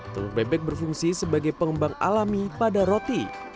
telur bebek berfungsi sebagai pengembang alami pada roti